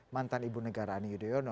mantan ibu negara ani yudhoyono